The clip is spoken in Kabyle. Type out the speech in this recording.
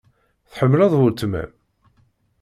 Tḥemmleḍ weltma-m?